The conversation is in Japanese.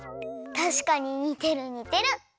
たしかににてるにてる！